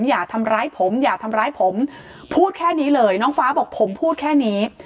อย่าทำร้ายผมอย่าทำร้ายผมพูดแค่นี้เลยน้องฟ้าบอกผมพูดแค่นี้